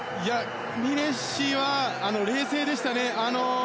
ミレッシは冷静でしたね。